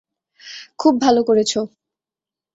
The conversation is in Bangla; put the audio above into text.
খুব ভালো করেছো।